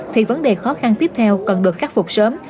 thì vấn đề khó khăn tiếp theo cần được khắc phục sớm